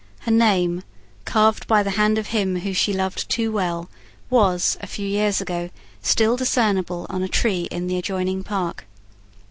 Her name, carved by the hand of him whom she loved too well, was, a few years ago, still discernible on a tree in the adjoining park.